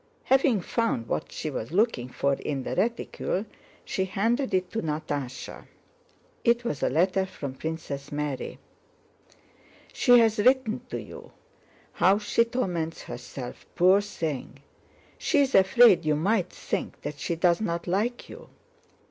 Having found what she was looking for in the reticule she handed it to Natásha. It was a letter from Princess Mary. "She has written to you. How she torments herself, poor thing! She's afraid you might think that she does not like you."